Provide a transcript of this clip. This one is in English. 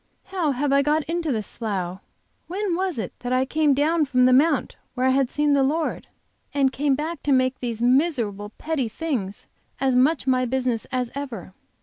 How have I got into this slough? When was it that I came down from the Mount where I had seen the Lord, and came back to make these miserable, petty things as much my business as ever?